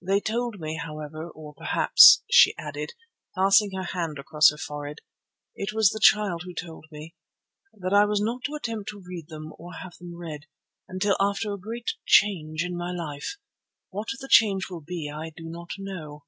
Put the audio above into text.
They told me, however, or perhaps," she added, passing her hand across her forehead, "it was the Child who told me, that I was not to attempt to read them or have them read, until after a great change in my life. What the change will be I do not know."